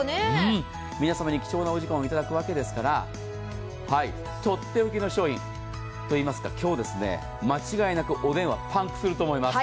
皆様に貴重なお時間を頂くわけですから取っておきの商品、今日、間違いなくお電話パンクすると思います。